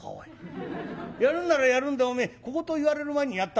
やるんならやるんでおめえ小言言われる前にやったらどうだ。